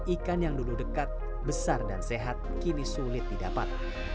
ikan yang dulu dekat besar dan sehat kini sulit didapat